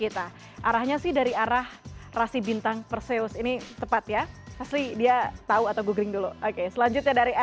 telah bergabung bersama kami di cnn indonesia